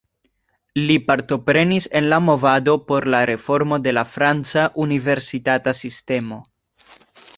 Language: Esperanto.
Li partoprenis en la movado por la reformo de la franca universitata sistemo.